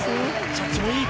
着地もいい！